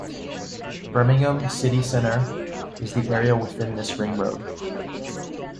Birmingham City Centre is the area within this ring road.